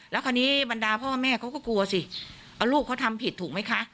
แล้วคราวนี้บรรดาพ่อแม่เขาก็กลัวสิเอาลูกเขาทำผิดถูกไหมคะ